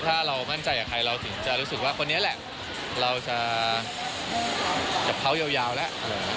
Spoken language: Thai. ถ้าเรามั่นใจกับใครเราถึงจะรู้สึกว่าคนนี้แหละเราจะกับเขายาวแล้ว